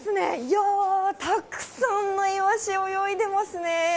やー、たくさんのイワシ、泳いでますね。